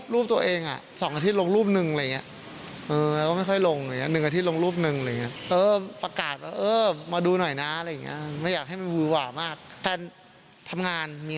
รูปตัวเอง๒สัปดาห์ลงรูปหนึ่ง